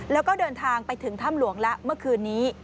แล้วก็เดินทางไปถึงถ้ำหลวงแล้วเมื่อคืนนี้